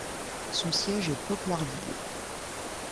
Son siège est Poplarville.